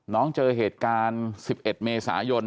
เจอเหตุการณ์๑๑เมษายน